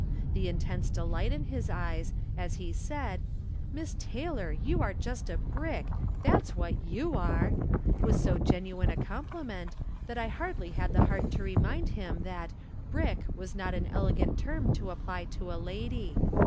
The. in tense delight in his ej^es, as he said :" Miss Tay lor, you are just a brick ; that's what you are !" was so genuine a compliment that I hardly had the heart to remind him that " brick " was not an elegant term to apply to a lady.